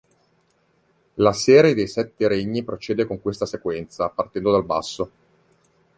La serie dei sette "regni" procede con questa sequenza, partendo dal basso.